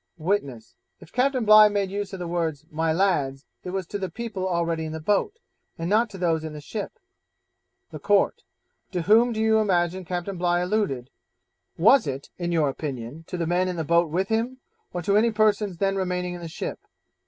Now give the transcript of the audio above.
Witness If Captain Bligh made use of the words "my lads," it was to the people already in the boat, and not to those in the ship.' The Court 'To whom do you imagine Captain Bligh alluded: was it, in your opinion, to the men in the boat with him, or to any persons then remaining in the ship?'